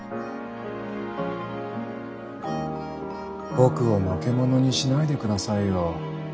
僕をのけ者にしないで下さいよ。